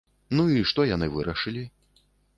Ну і што яны вырашылі?